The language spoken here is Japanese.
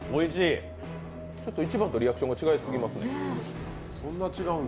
１番とリアクションが違いすぎますね。